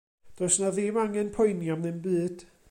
Does 'na ddim angen poeni am ddim byd.